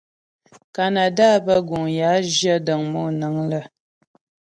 Kanada bə́ guŋ yə a zhyə dəŋ monəŋ lə́.